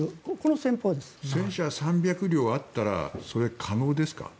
戦車３００両あったらそれ、可能ですか？